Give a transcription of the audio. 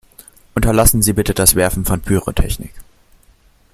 Unterlassen Sie bitte das Werfen von Pyrotechnik!